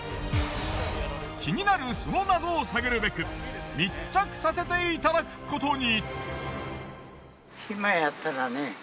気になるその謎を探るべく密着させていただくことに。